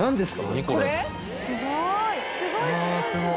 すごーい。